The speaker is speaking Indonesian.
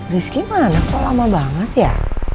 rizky mana kok lama banget ya